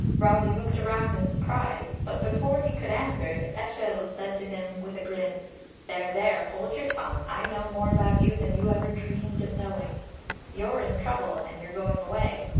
Rowli looked around in surprise, but before he could answer the ellyll said to him with a grin, 'There, there, hold your tongue, I know more about you than you ever dreamed of knowing. You're in trouble, and you're going away.